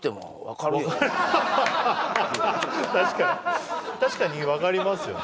確かに確かに分かりますよね